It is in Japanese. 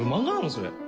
それ。